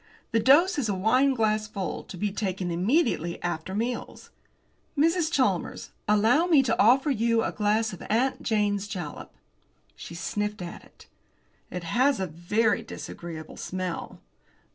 The dose is a wine glassful, to be taken immediately after meals. Mrs. Chalmers, allow me to offer you a glass of 'Aunt Jane's Jalap.'" She sniffed at it. "It has a very disagreeable smell."